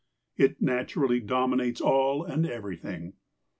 It nat urally dominates all and everything.